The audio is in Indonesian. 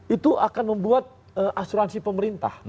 itu akan membuat asuransi pemerintah